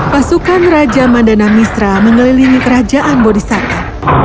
pasukan raja mandana misra mengelilingi kerajaan bodhisatta